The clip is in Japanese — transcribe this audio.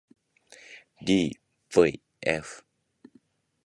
ｄｖｆ